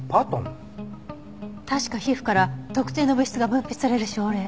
確か皮膚から特定の物質が分泌される症例。